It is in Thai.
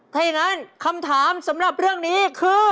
ถ้าอย่างนั้นคำถามสำหรับเรื่องนี้คือ